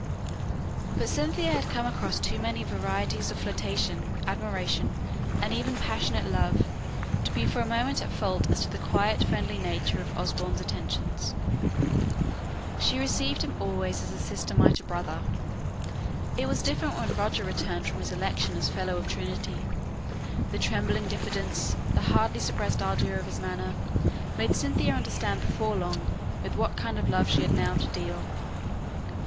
But Cynthia had come across too many varieties of flirtation, admiration, and even passionate love, to be for a moment at fault as to the quiet friendly nature of Osborne's attentions. She received him always as a sister might a brother. It was different when Roger returned from his election as Fellow of Trinity. The trembling diffidence, the hardly suppressed ardour of his manner, made Cynthia understand before long with what kind of love she had now to deal.